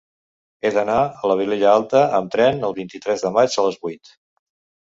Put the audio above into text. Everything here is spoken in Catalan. He d'anar a la Vilella Alta amb tren el vint-i-tres de maig a les vuit.